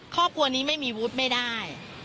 ครอบครัวนี้ไม่มีวุฒิไม่ได้